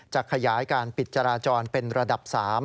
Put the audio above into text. จะขยายการปิดจราจรเป็นระดับ๓